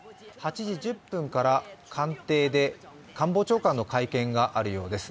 ８時１０分から官邸で官房長官の会見があるようです。